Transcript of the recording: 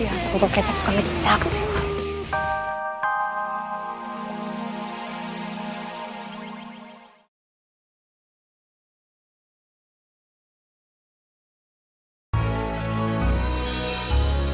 ya sumpah kecap suka mecak nek